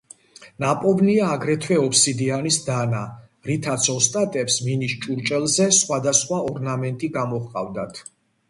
ნაპოვნია აგრეთვე ობსიდიანის დანა, რითაც ოსტატებს მინის ჭურჭელზე სხვადასხვა ორნამენტი გამოჰყავდათ.